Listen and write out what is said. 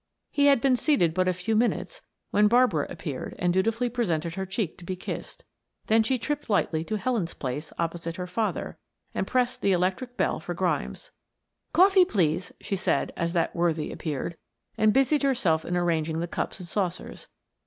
He had been seated but a few minutes when Barbara appeared and dutifully presented her cheek to be kissed, then she tripped lightly to Helen's place opposite her father, and pressed the electric bell for Grimes. "Coffee, please," she said as that worthy appeared, and busied herself in arranging the cups and saucers.